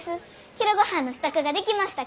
昼ごはんの支度が出来ましたき。